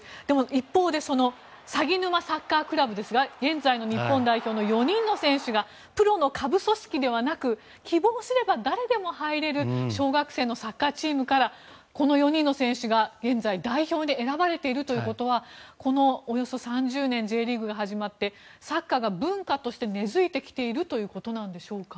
一方でさぎぬまサッカークラブですが現在の日本代表の４人の選手がプロの下部組織ではなく希望すれば誰でも入れる小学生のサッカーチームからこの４人の選手が現在、代表に選ばれているということはこのおよそ３０年Ｊリーグが始まってサッカーが文化として根付いてきているということでしょうか。